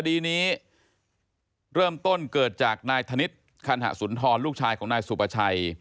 คดีนี้เริ่มต้นเกิดจากนายธนิษฐ์คันหสุนทรลูกชายของนายสุประชัย